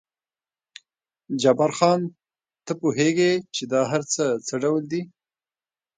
جبار خان، ته پوهېږې چې دا هر څه څه ډول دي؟